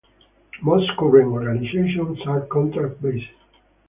Most current organizations are contract-based.